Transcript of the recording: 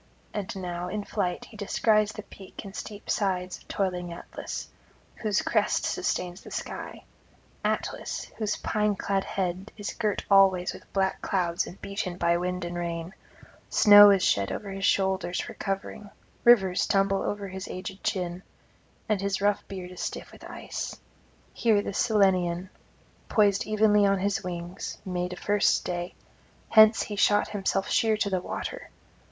And now in flight he descries the peak and steep sides of toiling Atlas, whose crest sustains the sky; Atlas, whose pine clad head is girt alway with black clouds and beaten by wind and rain; snow is shed over his shoulders for covering; rivers tumble over his aged chin; and his rough beard is stiff with ice. Here the Cyllenian, poised evenly on his wings, made a first stay; hence he shot himself sheer to the water.